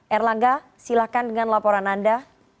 erlangga silakan dengan laporan anda